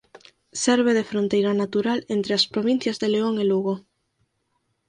Serve de fronteira natural entre as provincias de León e Lugo.